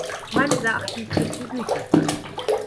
Meines Erachtens ist dies nicht der Fall.